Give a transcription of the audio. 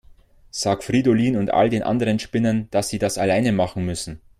Sag Fridolin und all den anderen Spinnern, dass sie das alleine machen müssen.